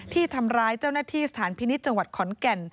ที่ทำร้ายเจ้าหน้าที่สถานพินิษฐ์จังหวัดขอนแก่น